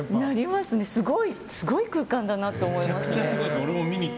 すごい空間だなと思いました。